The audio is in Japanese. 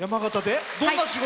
どんな仕事？